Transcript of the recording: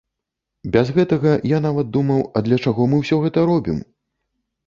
Без гэтага я нават думаў, а для чаго мы ўсё гэта робім?